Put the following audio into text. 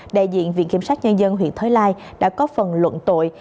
đại diện viện kiểm sát nhân dân huyện thới lai đã có phần luận tội